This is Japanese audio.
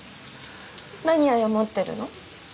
何謝ってるの？